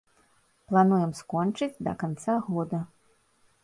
Плануем скончыць да канца года.